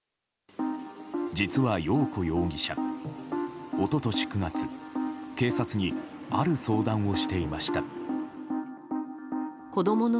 実は陽子容疑者、一昨年９月警察にある相談をしていました。